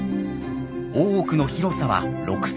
大奥の広さは６，０００坪。